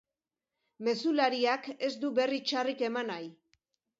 Mezulariak ez du berri txarrik eman nahi.